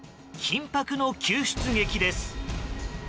緊迫の救出劇です。